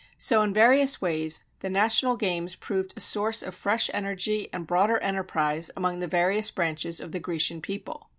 So in various ways the national games proved a source of fresh energy and broader enterprise among the various branches of the Grecian people.